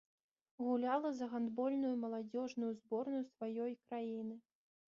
Гуляла за гандбольную маладзёжную зборную сваёй краіны.